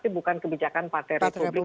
bukan kebijakan partai republik